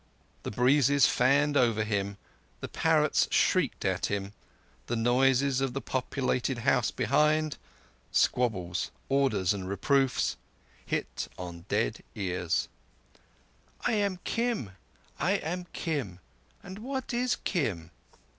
The breezes fanned over him, the parrots shrieked at him, the noises of the populated house behind—squabbles, orders, and reproofs—hit on dead ears. "I am Kim. I am Kim. And what is Kim?"